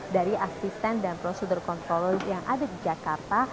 dari assistant dan procedure controller yang ada di jakarta